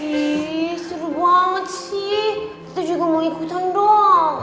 iiih seru banget sih tata juga mau ikutan dong